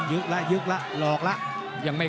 ยึกละยึกละหลอกละ